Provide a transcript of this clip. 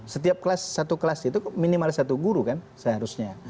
setiap kelas satu kelas itu minimal satu guru kan seharusnya